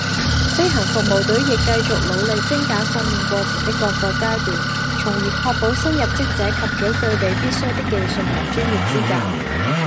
飛行服務隊亦繼續努力精簡訓練過程的各個階段，從而確保新入職者及早具備必需的技術和專業資格